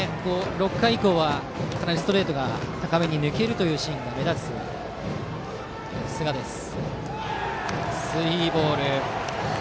６回以降はかなりストレートが高めに抜けるシーンが目立つ、寿賀です。